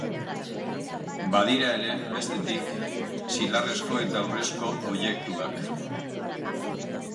Badira ere, bestetik, zilarrezko eta urrezko objektuak.